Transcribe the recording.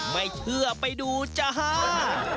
ไม่เชื่อไปดูจ้าฮ่า